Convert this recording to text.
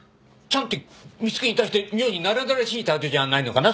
「ちゃん」って美月に対して妙になれなれしい態度じゃないのかな